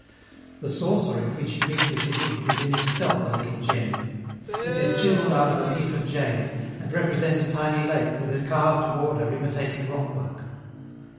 The saucer in which he mixes his ink is in itself a little gem. It is chiselled out of a piece of jade, and represents a tiny lake with a carved border imitating rockwork.